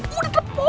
oh udah telepon